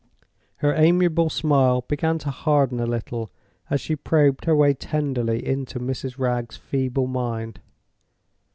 Her amiable smile began to harden a little as she probed her way tenderly into Mrs. Wragge's feeble mind.